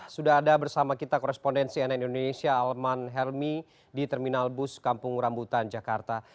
sudah ada bersama kita korespondensi nn indonesia arman helmi di terminal bus kampung rambutan jakarta